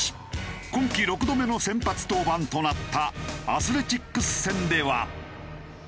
今季６度目の先発登板となったアスレチックス戦では。